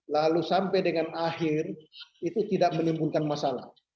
lalu sampai dengan akhir itu tidak menimbulkan masalah